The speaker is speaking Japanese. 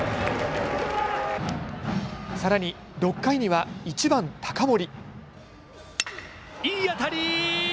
さらに６回には１番・高森。